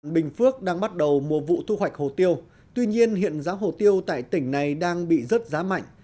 bình phước đang bắt đầu mùa vụ thu hoạch hồ tiêu tuy nhiên hiện giá hồ tiêu tại tỉnh này đang bị rớt giá mạnh